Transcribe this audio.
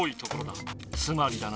つまりだなあ。